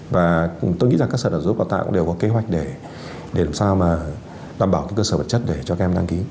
và tôi nghĩ rằng các sở đạo giúp đào tạo cũng đều có kế hoạch để làm sao mà đảm bảo cơ sở vật chất để cho các em đăng ký